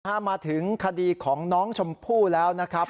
มาถึงคดีของน้องชมพู่แล้วนะครับ